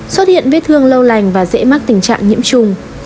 xuất hiện vết thương lâu lành và dễ mắc tình trạng nhiễm trùng